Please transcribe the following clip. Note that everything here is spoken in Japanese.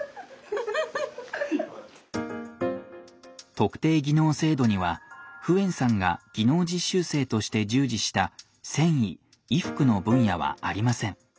特定技能制度にはフエンさんが技能実習生として従事した繊維・衣服の分野はありません。